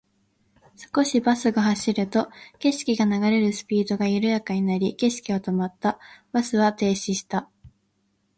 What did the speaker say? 少しバスが走ると、景色が流れるスピードが緩やかになり、景色は止まった。バスは停止した。